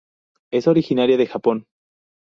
Es originaria de Japón.